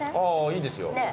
いいですよ。